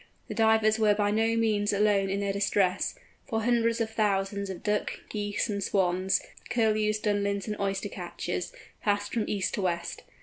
The Divers were by no means alone in their distress, for hundreds of thousands of Ducks, Geese, and Swans, Curlews, Dunlins, and Oyster catchers, passed from east to west.